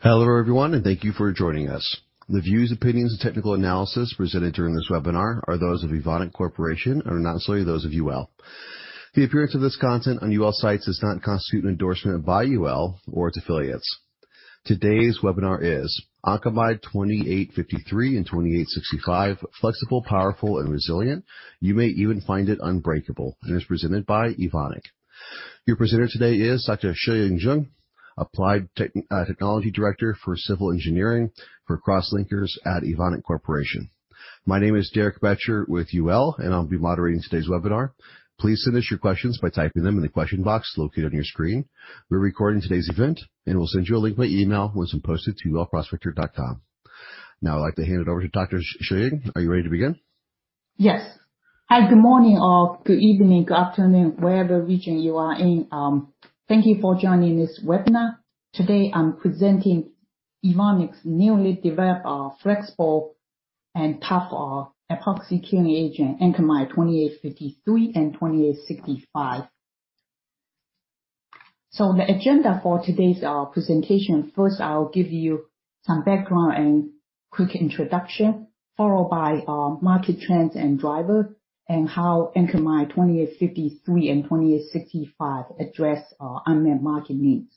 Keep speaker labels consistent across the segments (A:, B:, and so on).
A: Hello everyone, and thank you for joining us. The views, opinions, and technical analysis presented during this webinar are those of Evonik Corporation and are not solely those of UL. The appearance of this content on UL sites does not constitute an endorsement by UL or its affiliates. Today's webinar is Ancamide 2853 and 2865, flexible, powerful, and resilient. You may even find it unbreakable, and it's presented by Evonik. Your presenter today is Dr. Shiying Zheng, Applied Technology Director for Civil Engineering for Crosslinkers at Evonik Corporation. My name is Derek Boettcher with UL, and I'll be moderating today's webinar. Please send us your questions by typing them in the question box located on your screen. We're recording today's event, and we'll send you a link by email once it's posted to ulprospector.com. Now I'd like to hand it over to Dr. Shiying. Are you ready to begin?
B: Yes. Hi, good morning or good evening, good afternoon, wherever region you are in. Thank you for joining this webinar. Today I'm presenting Evonik's newly developed flexible and tough epoxy curing agent, Ancamide 2853 and 2865. The agenda for today's presentation: first I'll give you some background and quick introduction, followed by market trends and drivers, and how Ancamide 2853 and 2865 address unmet market needs.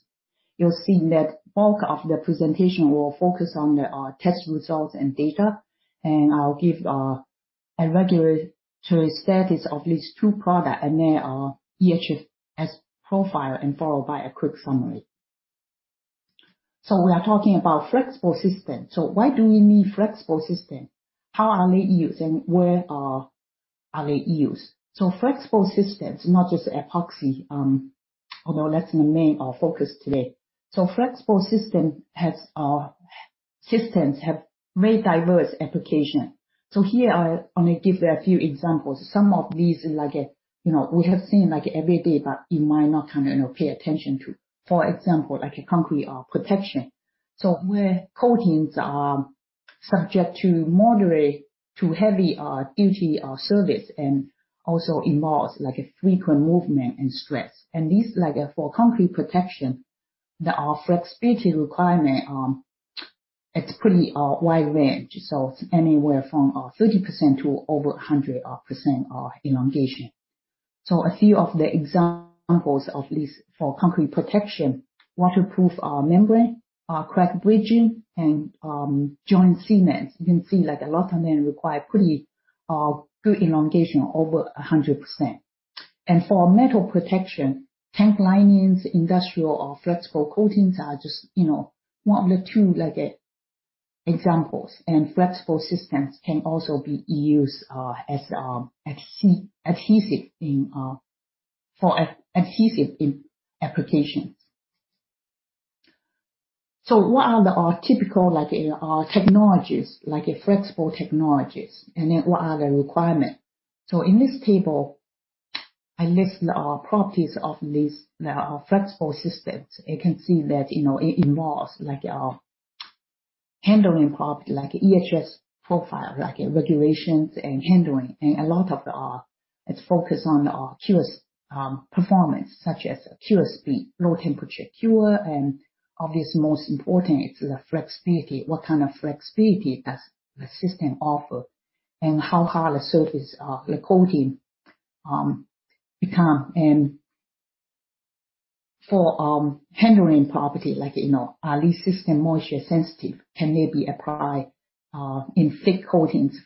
B: You'll see the bulk of the presentation will focus on the test results and data, and I'll give a regulatory status of these two products and their EHS profile, followed by a quick summary. We are talking about flexible systems. Why do we need flexible systems? How are they used, and where are they used? Flexible systems, not just epoxy, although that's the main focus today. Flexible systems have very diverse applications. Here I want to give you a few examples. Some of these are like we have seen every day, but you might not kind of pay attention to. For example, like a concrete protection. Where coatings are subject to moderate to heavy duty service, and also involves like a frequent movement and stress. These for concrete protection, the flexibility requirement, it's pretty wide range. It's anywhere from 30% to over 100% elongation. A few of the examples of these for concrete protection, waterproof membrane, crack bridging, and joint cements. You can see like a lot of them require pretty good elongation, over 100%. For metal protection, tank linings, industrial or flexible coatings are just one of the two examples. Flexible systems can also be used as adhesive for adhesive applications. What are the typical technologies, like flexible technologies? And then, what are the requirements? So, in this table, I list the properties of these flexible systems. You can see that it involves handling property, like EHS profile, like regulations and handling. And a lot of it's focused on performance, such as accuracy, low temperature cure. And obviously, most important, it's the flexibility. What kind of flexibility does the system offer? And how hard the surface coating becomes? And for handling property, like these systems are moisture sensitive. Can they be applied in thick coatings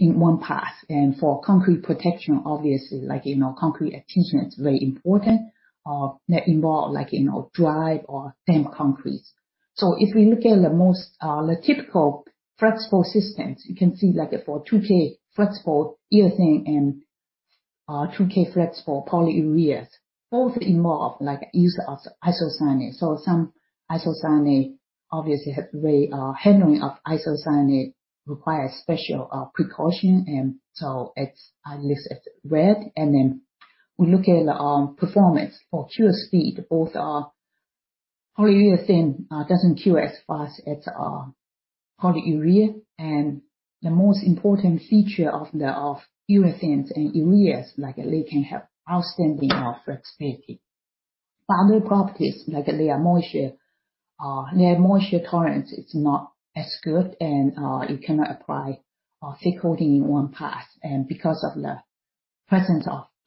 B: in one pass? And for concrete protection, obviously, like concrete adhesions, very important. That involves dry or damp concretes. So, if we look at the typical flexible systems, you can see for 2K flexible urethane and 2K flexible polyureas, both involve use of isocyanate. So, some isocyanate obviously has very handling of isocyanate requires special precaution. And so, I list it red. We look at performance for cure speed. Both polyurethane doesn't cure as fast as polyurea. The most important feature of the urethanes and ureas, like they can have outstanding flexibility. Other properties, like their moisture tolerance, is not as good, and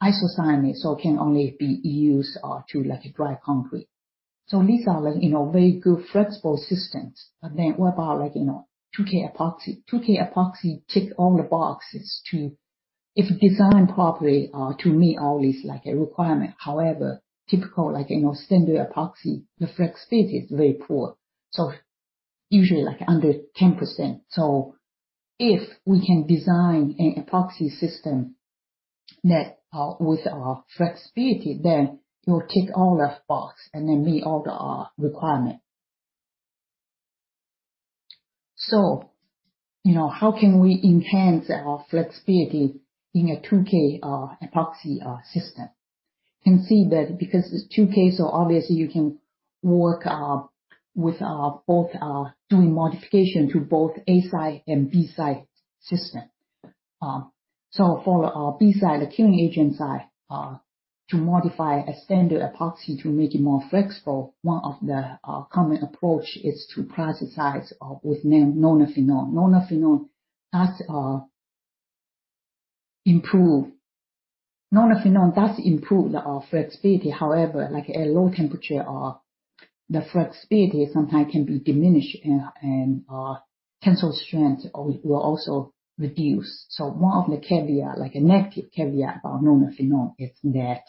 B: you cannot apply thick coating in one pass. Because of the presence of isocyanate, so it can only be used to dry concrete. These are very good flexible systems. What about 2K epoxy? 2K epoxy ticks all the boxes if designed properly to meet all these requirements. However, typical standard epoxy, the flexibility is very poor. Usually under 10%. If we can design an epoxy system with flexibility, then it will tick all the boxes and then meet all the requirements. How can we enhance our flexibility in a 2K epoxy system? You can see that because 2K, so obviously you can work with both doing modification to both A-side and B-side system. So for B-side, the curing agent side, to modify a standard epoxy to make it more flexible, one of the common approaches is to plasticize with nonylphenol. Nonylphenol does improve. Nonylphenol does improve the flexibility. However, at low temperature, the flexibility sometimes can be diminished, and tensile strength will also reduce. So one of the negative caveats about nonylphenol is that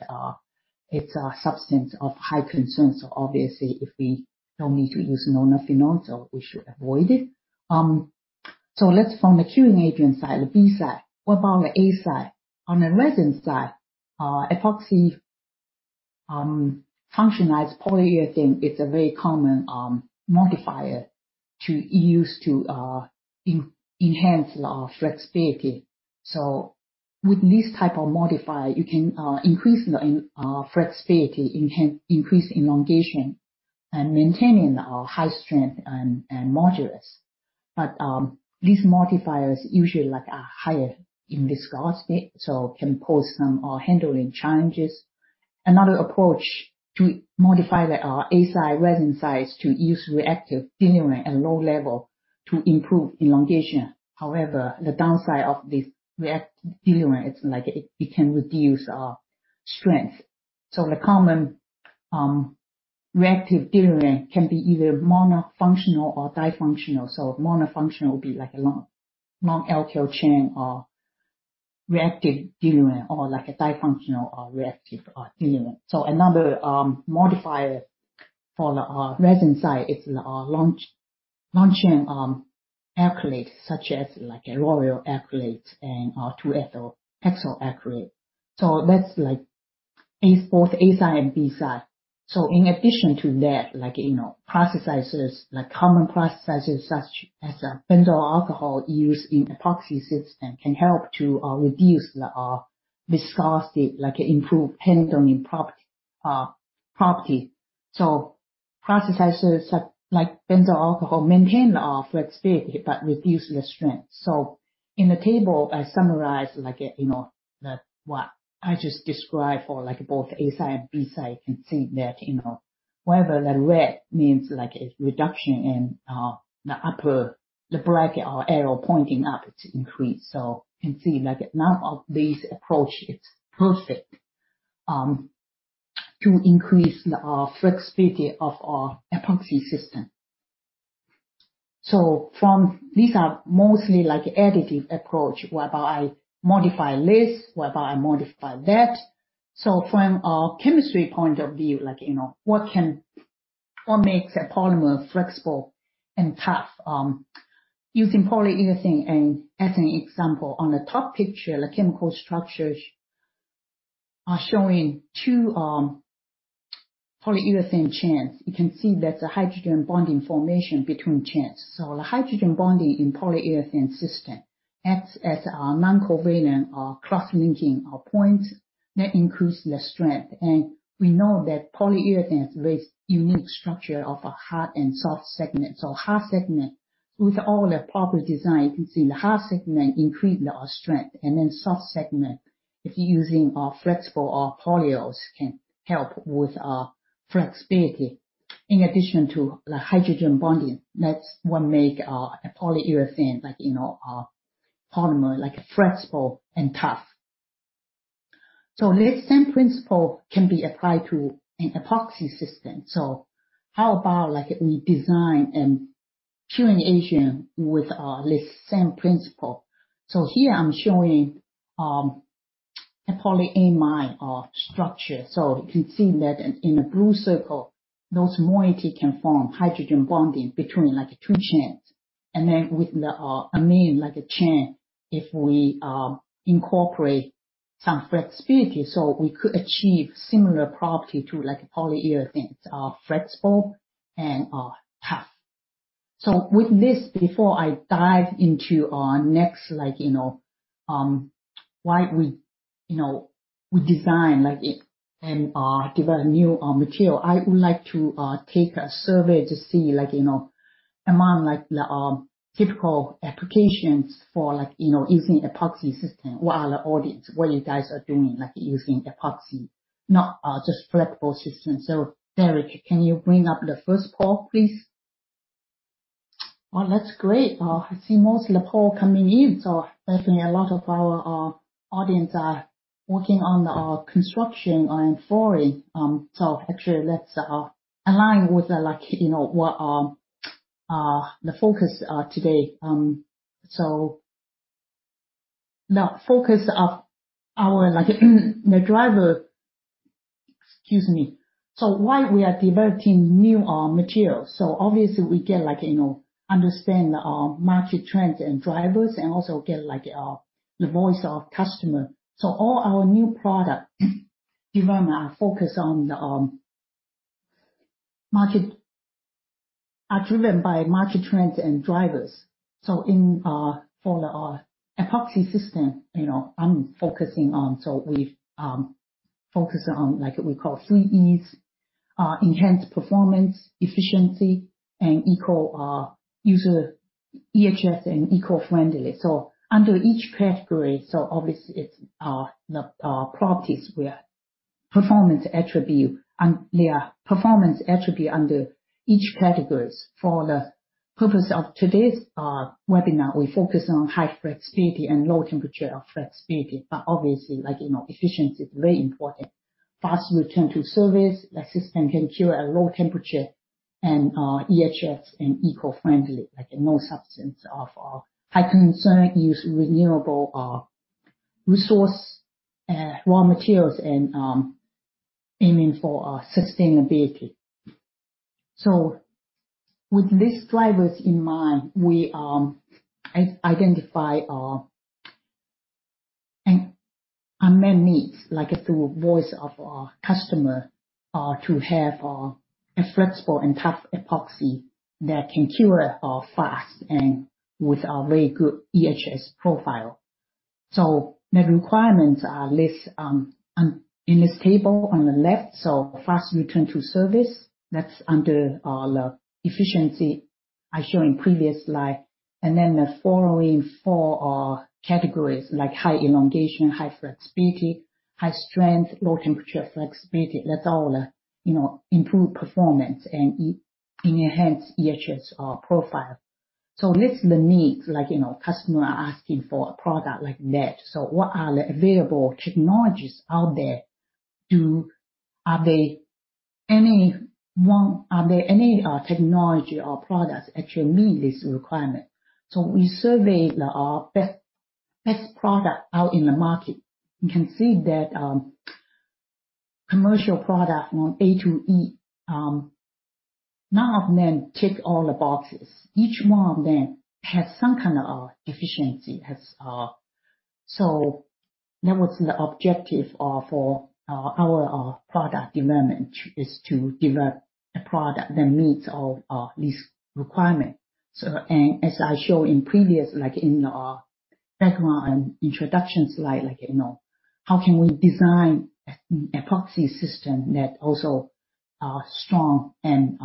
B: it's a substance of very high concern. So obviously, if we don't need to use nonylphenol, so we should avoid it. So let's from the curing agent side, the B-side. What about the A-side? On the resin side, epoxy-functional polyurethane. It's a very common modifier to use to enhance flexibility. So with this type of modifier, you can increase the flexibility, increase elongation, and maintain high strength and modulus. But these modifiers usually are higher in viscosity, so can pose some handling challenges. Another approach to modify the A-side resin viscosity is to use reactive diluent at low level to improve elongation. However, the downside of this reactive diluent is it can reduce strength. So the common reactive diluent can be either monofunctional or difunctional. So monofunctional would be like a long alkyl chain reactive diluent or like a difunctional reactive diluent. So another modifier for the resin side is long-chain acrylates, such as like a lauryl acrylate and 2-ethylhexyl acrylate. So that's both A-side and B-side. So in addition to that, plasticizers, like common plasticizers such as benzyl alcohol used in epoxy systems, can help to reduce the viscosity, like improve handling property. Plasticizers like benzyl alcohol maintain the flexibility but reduce the strength. So in the table, I summarized what I just described for both A-side and B-side. You can see that wherever the red means reduction and the upper bracket or arrow pointing up, it's increased. So you can see none of these approaches is perfect to increase the flexibility of our epoxy system. So these are mostly additive approaches. What about I modify this? What about I modify that? So from a chemistry point of view, what makes a polymer flexible and tough? Using polyurethane as an example, on the top picture, the chemical structures are showing two polyurethane chains. You can see that's a hydrogen bonding formation between chains. So the hydrogen bonding in polyurethane systems acts as a non-covalent cross-linking point that increases the strength. We know that polyurethane has a very unique structure of a hard and soft segment. So hard segment, with all the proper design, you can see the hard segment increases the strength. And then soft segment, if you're using flexible polyurethane, can help with flexibility. In addition to the hydrogen bonding, that's what makes a polyurethane polymer flexible and tough. So the same principle can be applied to an epoxy system. So how about we design a curing agent with the same principle? So here I'm showing a polyamide structure. So you can see that in the blue circle, those moieties can form hydrogen bonding between two chains. And then with the amine, like a chain, if we incorporate some flexibility, so we could achieve similar properties to polyurethane, flexible and tough. So with this, before I dive into our next, why we design and develop new material, I would like to take a survey to see among the typical applications for using epoxy systems. What are the audience? What are you guys doing using epoxy, not just flexible systems? So Derek, can you bring up the first poll, please? Oh, that's great. I see most of the polls coming in. So definitely a lot of our audience are working on construction and flooring. So actually, that's aligned with what the focus today. So the focus of our drivers, excuse me. So why we are developing new materials? So obviously, we get to understand the market trends and drivers, and also get the voice of customers. So all our new product developments are focused on the market, are driven by market trends and drivers. For the epoxy system I'm focusing on, we focus on what we call three Es, enhanced performance, efficiency, and EHS and eco-friendly. Under each category, obviously, it's the performance attribute. There are performance attributes under each category. For the purpose of today's webinar, we focus on high flexibility and low temperature of flexibility. But obviously, efficiency is very important. Fast return to service, the system can cure at low temperature, and EHS and eco-friendly, like no substance of high concern, use renewable resource, raw materials, and aiming for sustainability. With these drivers in mind, we identify our main needs through voice of our customer to have a flexible and tough epoxy that can cure fast and with a very good EHS profile. The requirements are listed in this table on the left. So, fast return to service, that's under the efficiency I show in previous slide. And then the following four categories, like high elongation, high flexibility, high strength, low temperature flexibility, that's all improved performance and enhanced EHS profile. So list the needs customers are asking for a product like that. So what are the available technologies out there? Are there any technology or products that can meet this requirement? So we surveyed the best product out in the market. You can see that commercial product from A to E, none of them tick all the boxes. Each one of them has some kind of deficiency. So that was the objective for our product development, is to develop a product that meets all these requirements. And as I showed in previous, like in the background. An introduction slide, how can we design an epoxy system that's also strong and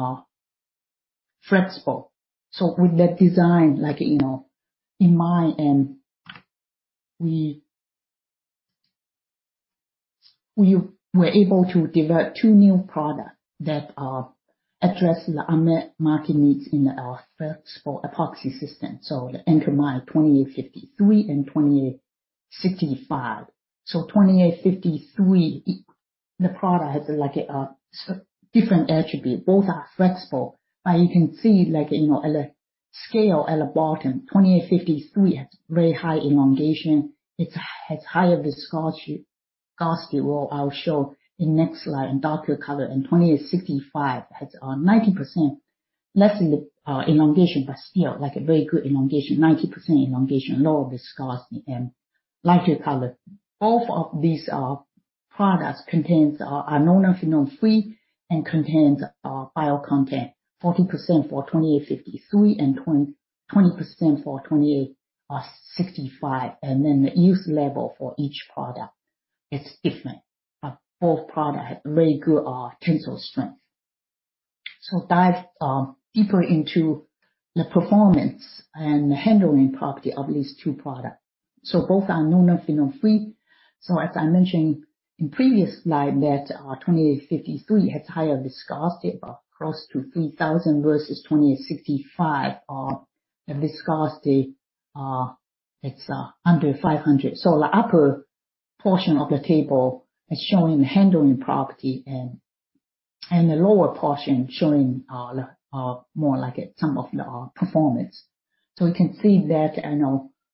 B: flexible? With that design in mind, we were able to develop two new products that address the market needs in the flexible epoxy system, so the Ancamide 2853 and 2865. So 2853, the product has different attributes. Both are flexible. But you can see the scale at the bottom. 2853 has very high elongation. It has higher viscosity. I'll show in the next slide, darker color. And 2865 has 90% less elongation, but still a very good elongation, 90% elongation, lower viscosity, and lighter color. Both of these products are nonylphenol-free and contain biocontent, 40% for 2853 and 20% for 2865. And then the use level for each product is different. Both products have very good tensile strength. So dive deeper into the performance and handling property of these two products. So both are nonylphenol-free. So as I mentioned in previous slide, that 2853 has higher viscosity, close to 3,000 versus 2865. The viscosity is under 500. So the upper portion of the table is showing the handling property, and the lower portion showing more like some of the performance. So you can see that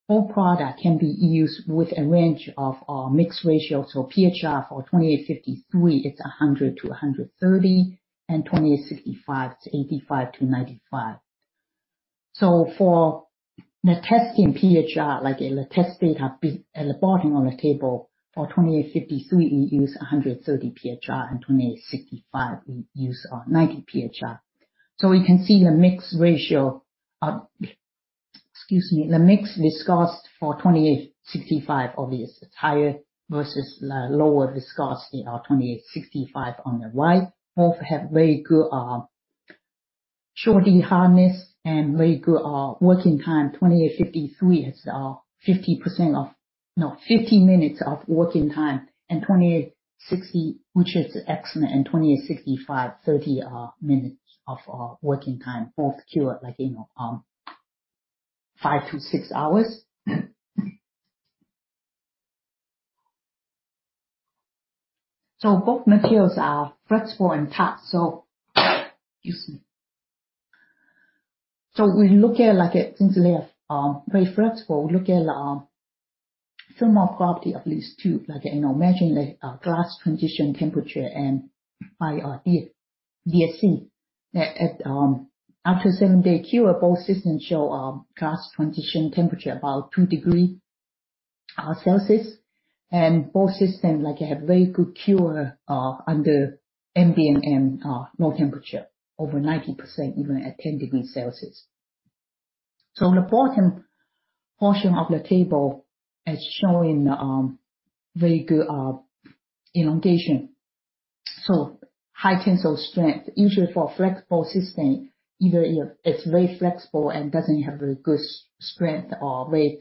B: both products can be used with a range of mixed ratios. So PHR for 2853, it's 100-130, and 2865, it's 85-95. So for the testing PHR, like the test data at the bottom of the table, for 2853, we use 130 PHR, and 2865, we use 90 PHR. So you can see the mixed ratio excuse me, the mixed viscosity for 2865, obviously, it's higher versus lower viscosity on 2865 on the right. Both have very good Shore D hardness and very good working time. 2853 has 50 minutes of working time, and 2860, which is excellent, and 2865, 30 minutes of working time. Both cure like five to six hours. So both materials are flexible and tough. So we look at things that are very flexible. We look at the thermal property of these two. Imagine the glass transition temperature and by DSC. After seven-day cure, both systems show glass transition temperature about two degrees Celsius. And both systems have very good cure under ambient and low temperature, over 90%, even at 10 degrees Celsius. So the bottom portion of the table is showing very good elongation. So high tensile strength, usually for flexible system, either it's very flexible and doesn't have very good strength or very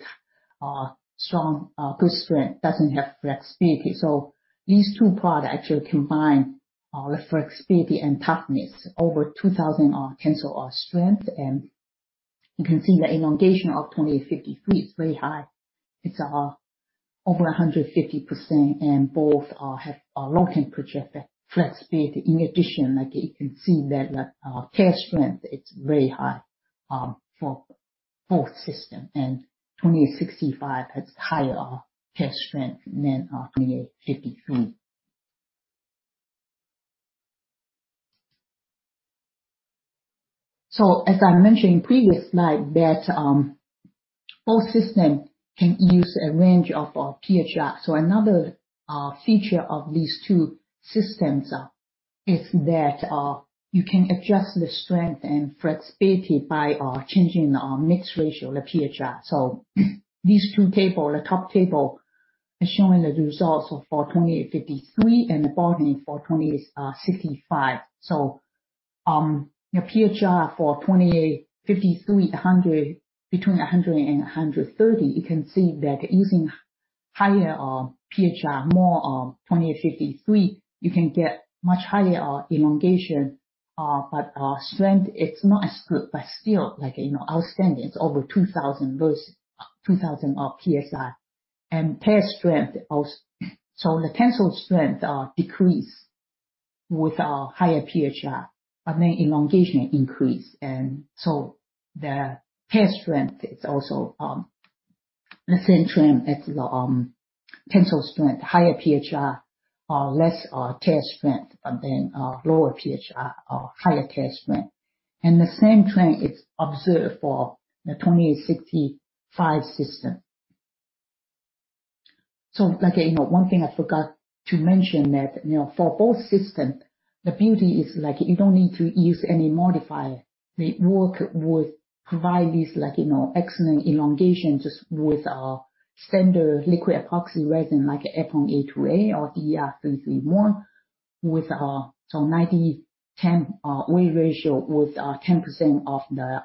B: strong good strength, doesn't have flexibility. So these two products actually combine the flexibility and toughness, over 2,000 tensile strength. And you can see the elongation of 2853 is very high. It's over 150%, and both have low temperature flexibility. In addition, you can see that the tear strength is very high for both systems. And 2865 has higher tear strength than 2853. So as I mentioned in previous slide, that both systems can use a range of PHR. So another feature of these two systems is that you can adjust the strength and flexibility by changing the mixed ratio, the PHR. So these two tables, the top table is showing the results for 2853, and the bottom for 2865. So the PHR for 2853, between 100 and 130, you can see that using higher PHR, more 2853, you can get much higher elongation, but strength, it's not as good, but still outstanding. It's over 2,000 versus 2,000 PSI. Tear strength, so the tensile strength decreases with higher PHR, but then elongation increases. The tear strength is also the same trend as the tensile strength. Higher PHR, less tear strength, but then lower PHR, higher tear strength. The same trend is observed for the 2865 system. One thing I forgot to mention that for both systems, the beauty is you don't need to use any modifier. They provide this excellent elongation just with standard liquid epoxy resin, like Epon 828 or D.E.R. 331, with a 90-10 weight ratio, with 10% of the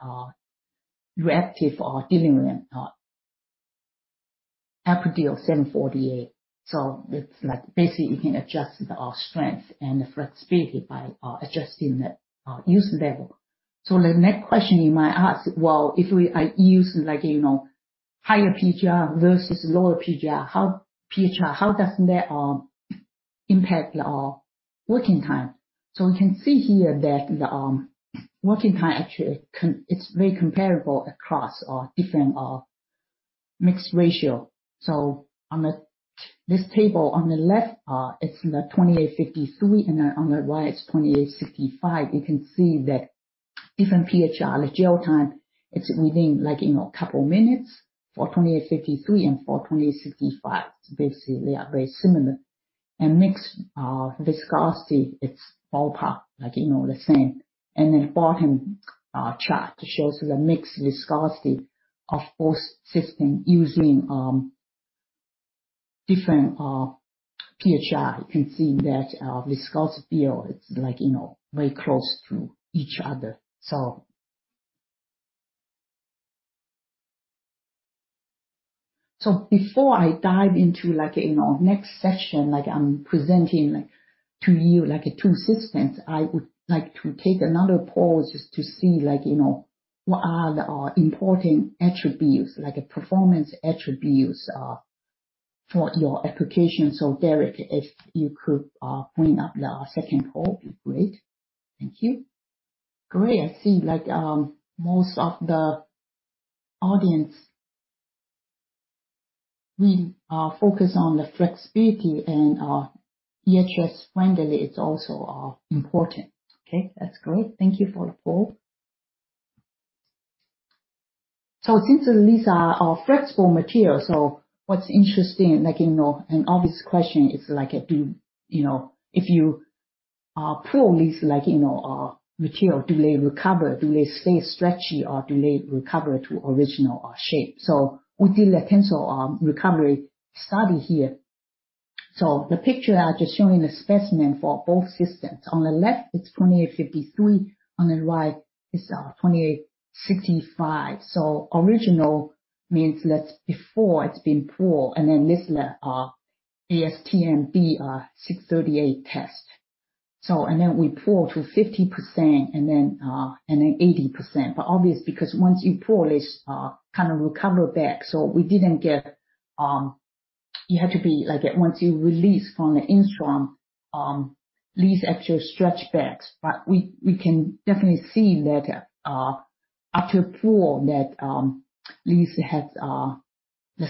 B: reactive diluent, Epodil 748. Basically, you can adjust the strength and the flexibility by adjusting the use level. The next question you might ask, well, if I use higher PHR versus lower PHR, how does that impact the working time? So you can see here that the working time actually is very comparable across different mixed ratio. So this table on the left, it's the 2853, and on the right, it's 2865. You can see that different PHR, the gel time, it's within a couple of minutes for 2853 and for 2865. Basically, they are very similar. And mixed viscosity, it's all about the same. And then the bottom chart shows the mixed viscosity of both systems using different PHR. You can see that viscosity is very close to each other. So before I dive into the next section, I'm presenting to you two systems, I would like to take another poll just to see what are the important attributes, like performance attributes for your application. So Derek, if you could bring up the second poll, it'd be great. Thank you. Great. I see most of the audience focus on the flexibility and EHS friendly is also important. Okay. That's great. Thank you for the poll, so since these are flexible materials, so what's interesting, an obvious question is, if you pull these materials, do they recover? Do they stay stretchy, or do they recover to original shape? We did a tensile recovery study here, so the picture I'm just showing is a specimen for both systems. On the left, it's 2853. On the right, it's 2865. Original means before it's been pulled, and then this is the ASTM D638 test, and then we pull to 50% and then 80%. But obviously, because once you pull, it's kind of recovered back, so we didn't get it. You had to see once you release from the tensile, these actually stretch back. But we can definitely see that after pull, that these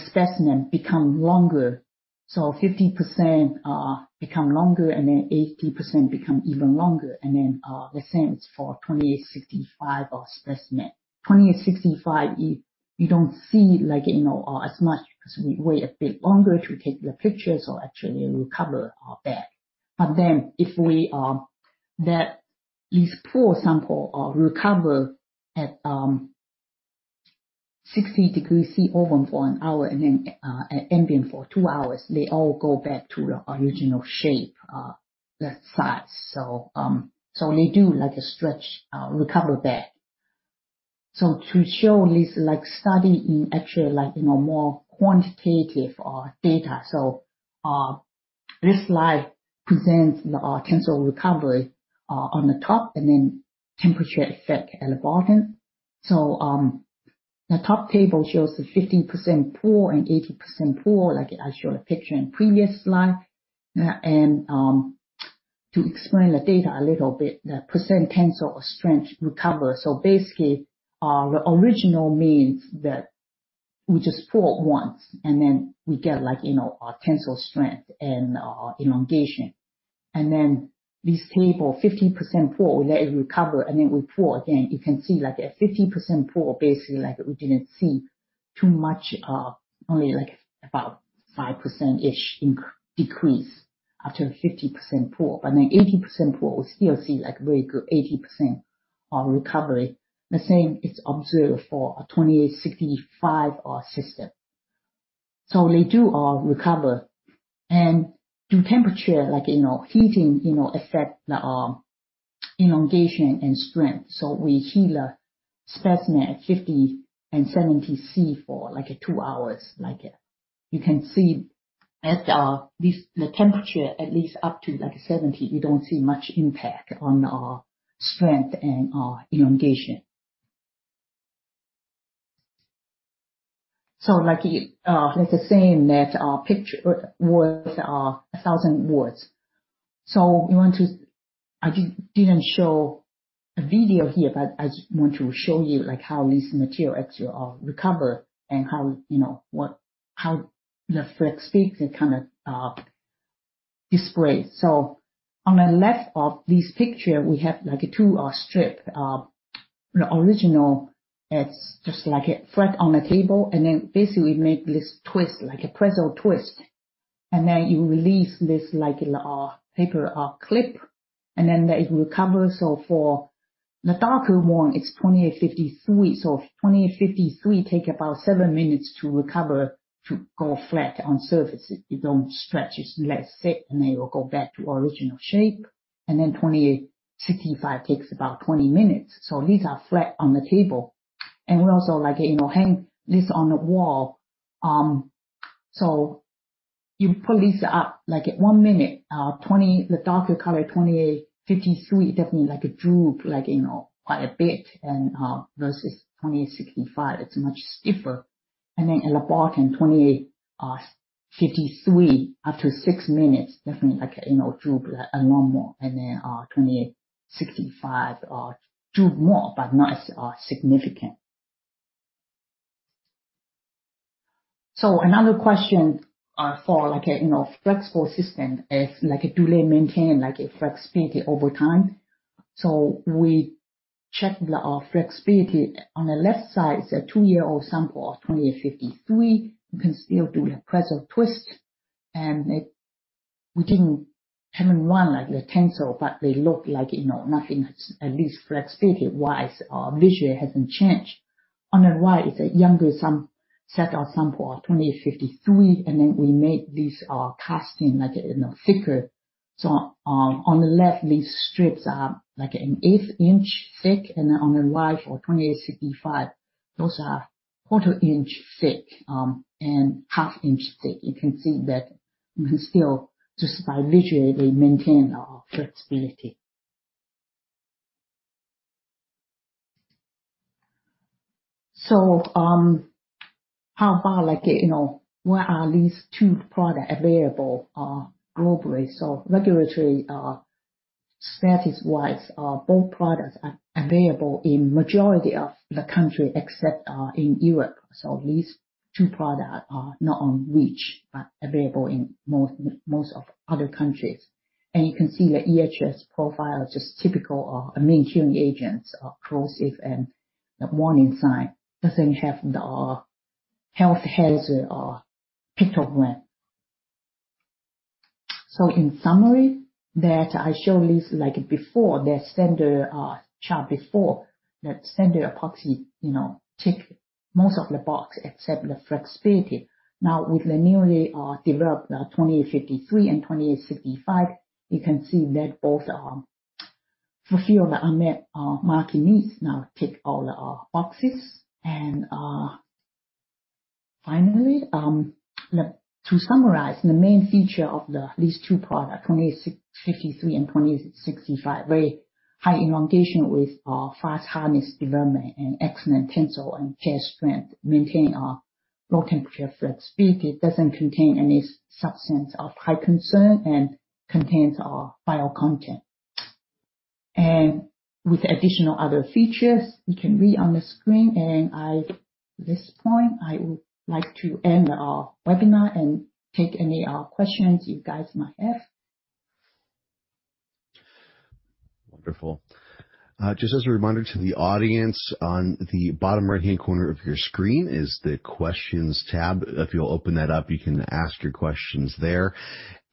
B: specimens become longer. So 50% become longer, and then 80% become even longer. And then the same is for 2865 specimen. 2865, we don't see as much because we wait a bit longer to take the pictures, so actually recover back. But then if we let these poor samples recover at 60 degrees Celsius oven for an hour and then ambient for two hours, they all go back to the original shape, the size. So they do a stretch recover back. So to show this study in actually more quantitative data, so this slide presents the tensile recovery on the top and then temperature effect at the bottom. So the top table shows the 50% pull and 80% pull, like I showed a picture in previous slide. And to explain the data a little bit, the percent tensile strength recover. So basically, the original means that we just pull once, and then we get tensile strength and elongation. And then this table, 50% pull, we let it recover, and then we pull again. You can see at 50% pull, basically, we didn't see too much, only about 5%-ish decrease after 50% pull. But then 80% pull, we still see very good 80% recovery. The same is observed for 2865 system. So they do recover. And do temperature, heating affect the elongation and strength? So we heat a specimen at 50 and 70 degrees Celsius for two hours. You can see at the temperature, at least up to 70 degrees Celsius, you don't see much impact on strength and elongation. So the same picture with 1,000 hours. So I didn't show a video here, but I just want to show you how these materials actually recover and how the flexibility kind of displays. So on the left of this picture, we have two strips. The original, it's just flat on the table, and then basically, we make this twist, like a pretzel twist. And then you release this paper clip, and then it recovers. So for the darker one, it's 2853. So 2853 takes about seven minutes to recover to go flat on surfaces. You don't stretch it, let it sit, and then it will go back to original shape. And then 2865 takes about 20 minutes. So these are flat on the table. And we also hang this on the wall. So you pull these up at one minute. The darker color, 2853, definitely droop quite a bit versus 2865. It's much stiffer. And then at the bottom, 2853, after six minutes, definitely droop a lot more. And then 2865 droop more, but not as significant. Another question for flexible systems is, do they maintain flexibility over time? We checked the flexibility. On the left side, it's a two-year-old sample of 2853. You can still do a pretzel twist. We didn't have in one the tensile, but they look like nothing, at least flexibility-wise, visually hasn't changed. On the right, it's a younger set of samples, 2853. Then we made these casting thicker. On the left, these strips are an eighth-inch thick. Then on the right, for 2865, those are quarter-inch thick and half-inch thick. You can see that you can still just by visually maintain the flexibility. How about what are these two products available globally? Regulatory status-wise, both products are available in the majority of the country except in Europe. These two products are not on REACH, but available in most of other countries. And you can see the EHS profile, just typical amine curing agents, corrosive, and the warning sign. It doesn't have the health hazard pictogram. So in summary, that I showed this before, the standard chart before, that standard epoxy ticked most of the boxes except the flexibility. Now, with the newly developed 2853 and 2865, you can see that both fulfill the unmet market needs. Now, tick all the boxes. And finally, to summarize, the main feature of these two products, 2853 and 2865, very high elongation with fast hardness development and excellent tensile and tear strength, maintaining low temperature flexibility. It doesn't contain any substance of high concern and contains bio content. And with additional other features, you can read on the screen. And at this point, I would like to end our webinar and take any questions you guys might have.
A: Wonderful. Just as a reminder to the audience, on the bottom right-hand corner of your screen is the questions tab. If you'll open that up, you can ask your questions there.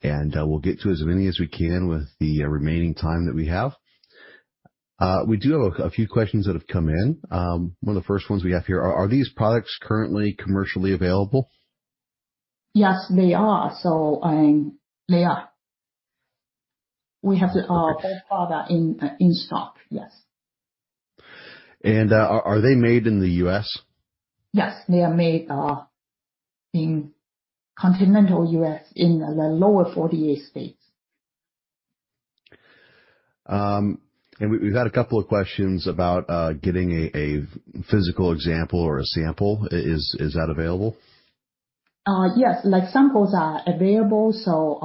A: And we'll get to as many as we can with the remaining time that we have. We do have a few questions that have come in. One of the first ones we have here, are these products currently commercially available?
B: Yes, they are. So they are. We have both products in stock, yes.
A: Are they made in the U.S.?
B: Yes, they are made in continental U.S. in the lower 48 states.
A: We've had a couple of questions about getting a physical example or a sample. Is that available?
B: Yes, samples are available, so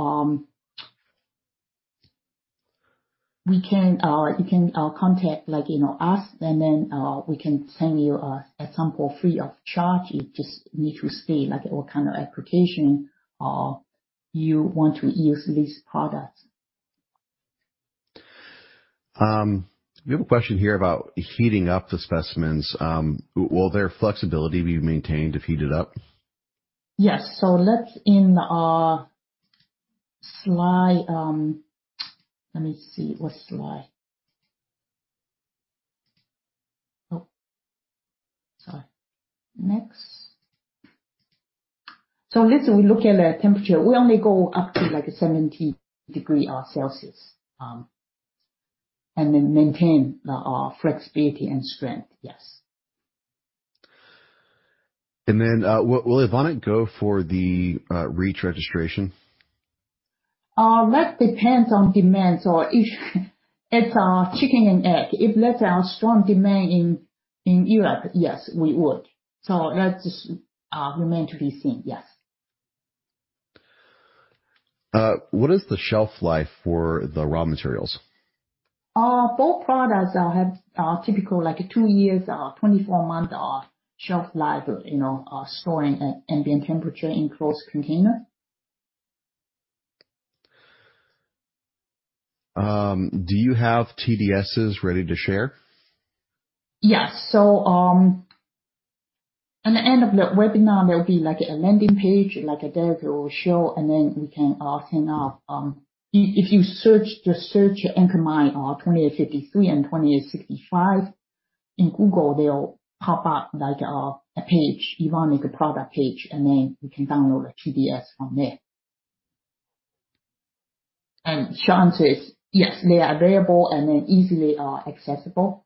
B: you can contact us, and then we can send you a sample free of charge. You just need to see what kind of application you want to use these products.
A: We have a question here about heating up the specimens. Will their flexibility be maintained if heated up?
B: Yes. So let's in our slide. Let me see what slide. Oh, sorry. Next. So let's look at the temperature. We only go up to 70 degrees Celsius and maintain our flexibility and strength, yes.
A: Will Evonik go for the REACH registration?
B: That depends on demand. So if it's chicken and egg, if there's a strong demand in Europe, yes, we would. So that remains to be seen, yes.
A: What is the shelf life for the raw materials?
B: Both products have typical two years or 24 months shelf life storing at ambient temperature in closed container.
A: Do you have TDSs ready to share?
B: Yes. So at the end of the webinar, there'll be a landing page, a demo we'll show, and then we can send out. If you just search Ancamide 2853 and 2865 in Google, they'll pop up a page, Evonik product page, and then you can download the TDS from there. And chances, yes, they are available and then easily accessible.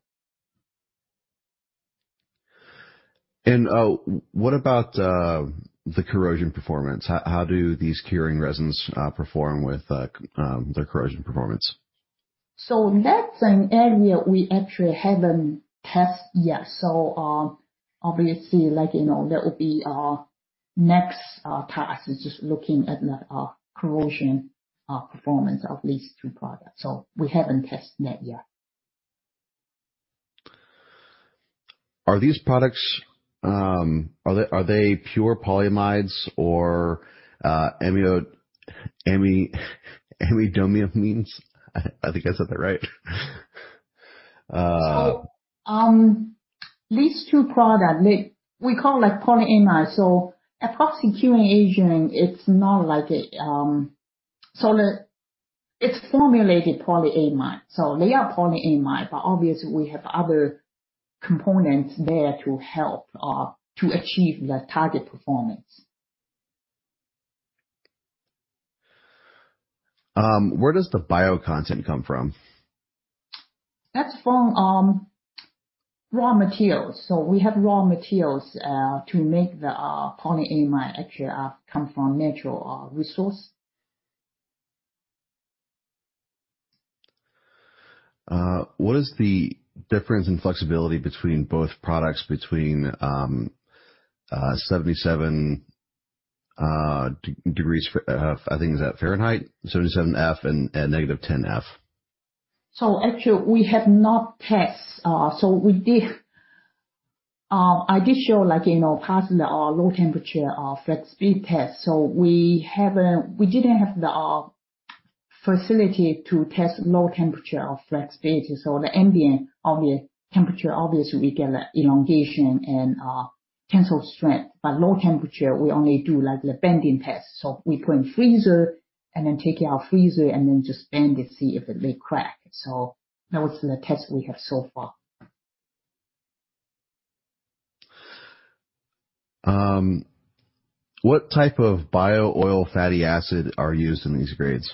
A: And what about the corrosion performance? How do these curing resins perform with their corrosion performance?
B: So that's an area we actually haven't tested yet. So obviously, that will be our next task, is just looking at the corrosion performance of these two products. So we haven't tested that yet.
A: Are these products pure polyamides or amidoamines? I think I said that right.
B: So, these two products, we call polyamides. So, epoxy curing agent, it's not like it's formulated polyamide. So, they are polyamide, but obviously, we have other components there to help to achieve the target performance.
A: Where does the bio content come from?
B: That's from raw materials, so we have raw materials to make the polyamide actually come from natural resource.
A: What is the difference in flexibility between both products between 77 degrees, I think is that Fahrenheit, 77 degrees Fahrenheit and negative 10 degrees Fahrenheit?
B: So, actually, we have not tested. So, I did show past low temperature flexibility test. So, we didn't have the facility to test low temperature flexibility. So, the ambient temperature, obviously, we get elongation and tensile strength. But low temperature, we only do the bending test. So, we put in freezer and then take it out of freezer and then just bend and see if they crack. So, that was the test we have so far.
A: What type of bio oil fatty acid are used in these grades?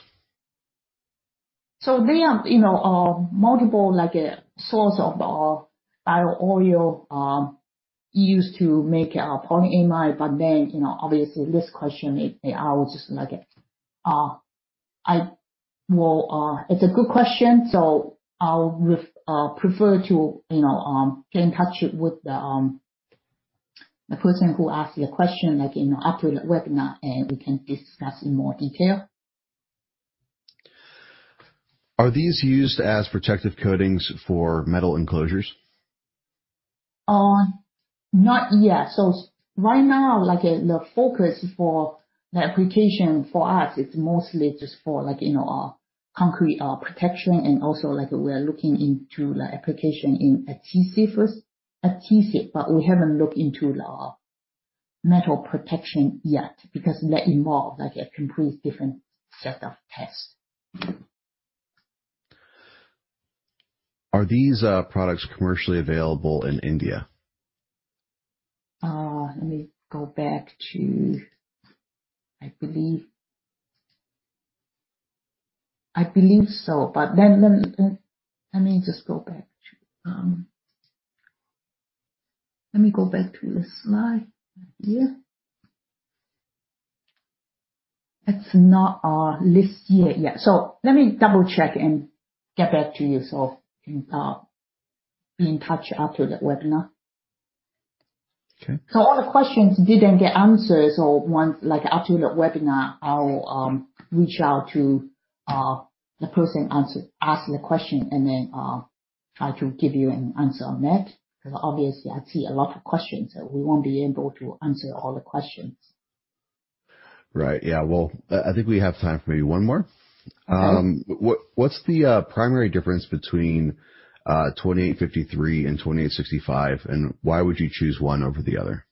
B: They are multiple sources of bio oil used to make polyamide. Obviously, this question, it's a good question. I would prefer to get in touch with the person who asked the question after the webinar, and we can discuss in more detail.
A: Are these used as protective coatings for metal enclosures?
B: Not yet. So right now, the focus for the application for us, it's mostly just for concrete protection. And also, we're looking into the application in adhesive, but we haven't looked into metal protection yet because that involves a completely different set of tests.
A: Are these products commercially available in India?
B: Let me go back to it, I believe so. But let me just go back to the slide here. It's not listed yet. So let me double-check and get back to you so we can be in touch after the webinar. So all the questions didn't get answered. So after the webinar, I'll reach out to the person who asked the question and then try to give you an answer on that. Because obviously, I see a lot of questions, so we won't be able to answer all the questions.
A: Right. Yeah. Well, I think we have time for maybe one more. What's the primary difference between 2853 and 2865, and why would you choose one over the other?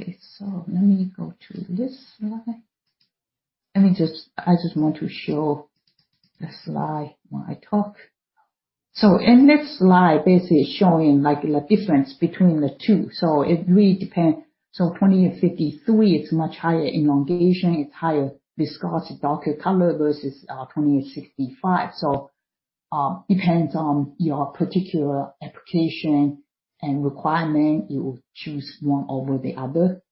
B: Okay. So let me go to this slide. I mean, I just want to show the slide when I talk. So in this slide, basically, it's showing the difference between the two. So it really depends. So 2853, it's much higher elongation. It's higher viscosity, darker color versus 2865. So it depends on your particular application and requirement. You will choose one over the other.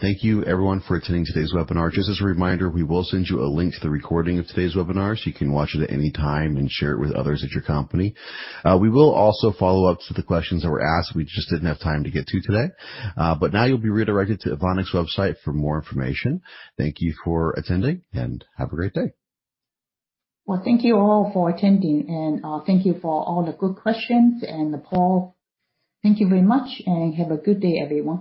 A: Thank you, everyone, for attending today's webinar. Just as a reminder, we will send you a link to the recording of today's webinar so you can watch it at any time and share it with others at your company. We will also follow up with the questions that were asked. We just didn't have time to get to today. But now you'll be redirected to Evonik's website for more information. Thank you for attending, and have a great day.
B: Thank you all for attending, and thank you for all the good questions and the poll. Thank you very much, and have a good day, everyone.